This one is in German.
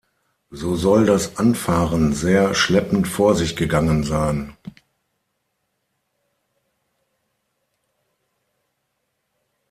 So soll das Anfahren sehr schleppend vor sich gegangen sein.